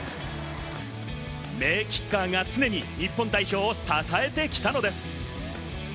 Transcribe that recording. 名キッカーが常に日本代表を支えてきたのです。